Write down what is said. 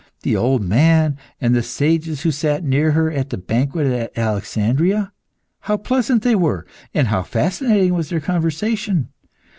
The old man and the sages who sat near her, at the banquet at Alexandria, how pleasant they were, and how fascinating was their conversation!